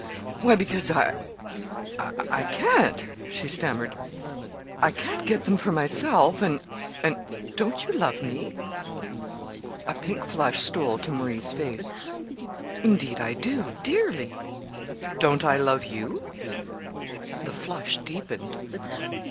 "Why, because I I can't," she stammered. "I can't get them for myself, and and " "Don't you love me?" A pink flush stole to Marie's face. "Indeed I do, dearly." "Don't I love you?" The flush deepened.